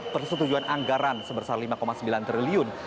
persetujuan anggaran sebesar lima sembilan triliun